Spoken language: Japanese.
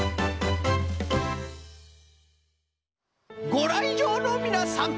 ごらいじょうのみなさん